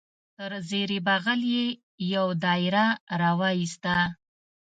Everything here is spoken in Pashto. تر زیر بغل یې یو دایره را وایسته.